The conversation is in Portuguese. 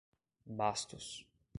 Bastos